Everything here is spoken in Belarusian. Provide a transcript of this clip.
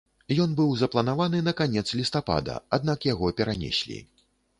Ён быў запланаваны на канец лістапада, аднак яго перанеслі.